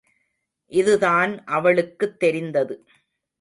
இதுதான் அவளுக்குத் தெரிந்தது.